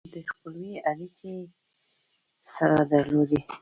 د خپلوۍ اړیکې یې سره درلودې.